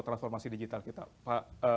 transformasi digital kita pak